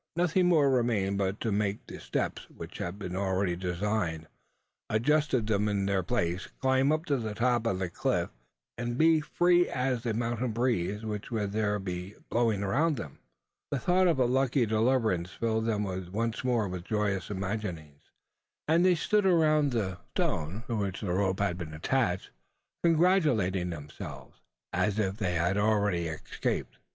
Nothing more remained but to make the steps which had been already designed adjust them in their places climb up to the top of the cliff and be free as the mountain breeze, which would there be blowing around them! The thought of such a lucky deliverance filled them once more with joyous imaginings; and they stood around the stone, to which the rope had been attached congratulating themselves, as if they had already escaped.